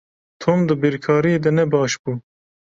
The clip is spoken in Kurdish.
Tom di bîrkariyê de ne baş bû.